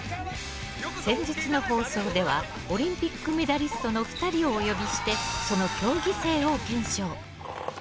先日の放送ではオリンピックメダリストの２人をお呼びして、その競技性を検証。